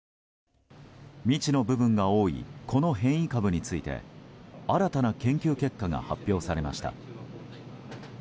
未知の部分が多いこの変異株について新たな研究結果が発表されました。